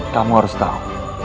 kamu harus tahu